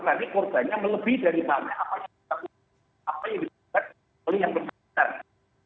tapi purganya melebih dari bahwa apa yang disebabkan oleh yang berpengaruh